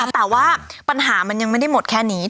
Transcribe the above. แต่ว่าปัญหามันยังไม่ได้หมดแค่นี้